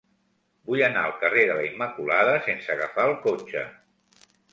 Vull anar al carrer de la Immaculada sense agafar el cotxe.